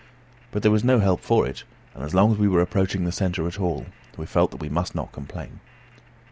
But there was no help for it, and as long as we were approaching the centre at all we felt that we must not complain.